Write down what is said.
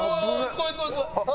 怖い怖い怖い！